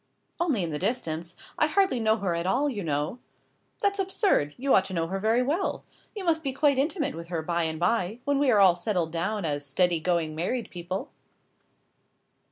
"Only in the distance. I hardly know her at all, you know." "That's absurd. You ought to know her very well. You must be quite intimate with her by and by, when we are all settled down as steady going married people."